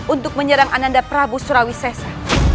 untuk menyerang ananda prabu surawi sesa